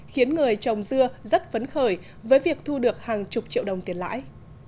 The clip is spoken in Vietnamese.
khiến người trồng dưa rất phấn khởi với việc thu được hàng chục triệu đồng tiền lãi